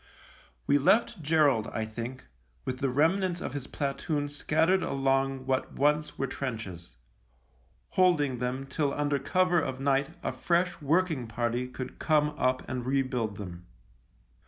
We left Gerald, I think, with the remnants of his platoon scattered along what once were trenches, holding them till under cover of night a fresh working party could come up and rebuild them.